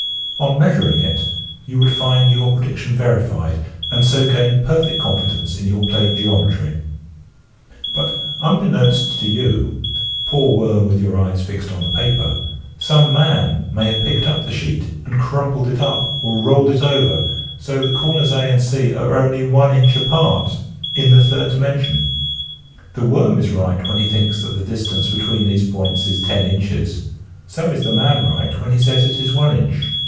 On measuring it you would find your predic tion verified and so gain perfect confidence in your plane geometry. But unbeknownst to you, poor worm with your eyes fixed on the paper, some man may have picked up the sheet and crumpled it up or rolled it over so that A and C are only one inch apart — in the 38 EASY LESSONS IN EINSTEIN third dimension. The worm is right when he thinks the distance between these points is lo inches : so is the man right when he says it is one inch.